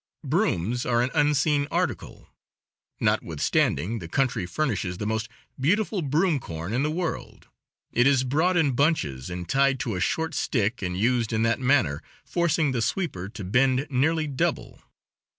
Brooms are an unseen article, notwithstanding the country furnishes the most beautiful broom corn in the world. It is bought in bunches and tied to a short stick, and used in that manner, forcing the sweeper to bend nearly double.